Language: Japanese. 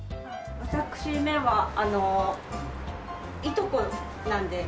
私めはあのいとこなんです。